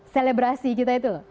selebrasi kita itu